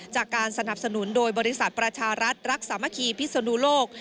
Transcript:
จากการสนับสนุนโดยบริษัทประชารัฐรักสามัคคีพิศนุโลก